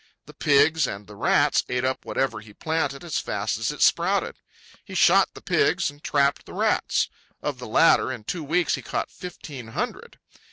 The pigs and the rats ate up whatever he planted as fast as it sprouted. He shot the pigs and trapped the rats. Of the latter, in two weeks he caught fifteen hundred.